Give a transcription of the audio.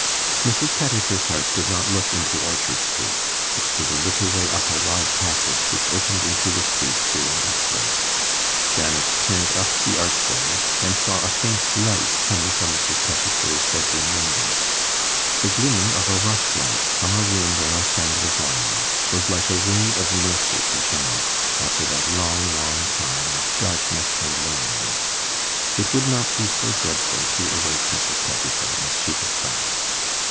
Mrs. Pettifer's house did not look into Orchard Street: it stood a little way up a wide passage which opened into the street through an archway. Janet turned up the archway, and saw a faint light coming from Mrs. Pettifer's bedroom window. The glimmer of a rushlight from a room where a friend was lying, was like a ray of mercy to Janet, after that long, long time of darkness and loneliness; it would not be so dreadful to awake Mrs. Pettifer as she had thought.